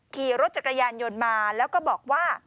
ขี่รถจักรยานยนต์มาแล้วก็บอกว่า